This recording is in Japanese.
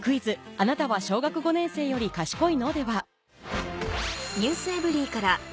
あなたは小学５年生より賢いの？』ではを出題。